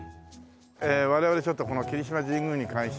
我々ちょっとこの霧島神宮に関してはね